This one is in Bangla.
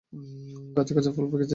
গাছে গাছে ফল পেকেছে।